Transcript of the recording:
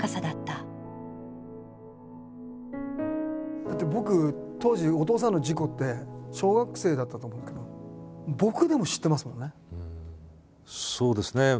だって僕当時お父さんの事故って小学生だったと思うけど僕でも知ってますもんね。